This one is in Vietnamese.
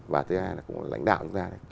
và thứ hai là cũng là lãnh đạo chúng ta